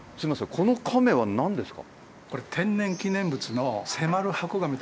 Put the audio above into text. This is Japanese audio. このカメは何ですか？